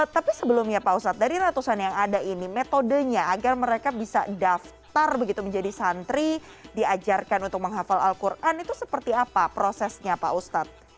tapi sebelumnya pak ustadz dari ratusan yang ada ini metodenya agar mereka bisa daftar begitu menjadi santri diajarkan untuk menghafal al quran itu seperti apa prosesnya pak ustadz